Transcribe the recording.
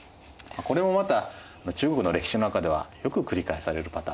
これもまた中国の歴史の中ではよく繰り返されるパターンなんですね。